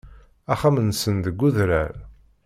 Axxam-nsen deg udrar.